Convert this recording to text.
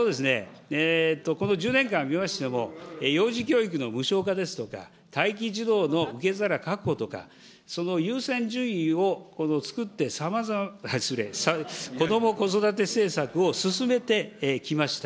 この１０年間見ましても、幼児教育の無償化ですとか、待機児童の受け皿確保とか、優先順位を作って、さまざま、失礼、こども・子育て政策を進めてきました。